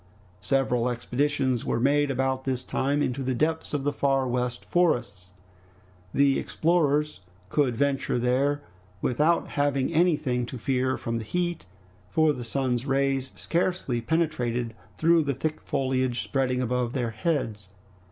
Several expeditions were made about this time into the depths of the Far West Forests. The explorers could venture there without having anything to fear from the heat, for the sun's rays scarcely penetrated through the thick foliage spreading above their heads.